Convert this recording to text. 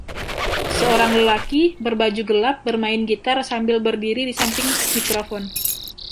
Seorang lelaki berbaju gelap bermain gitar sambil berdiri di samping mikrofon.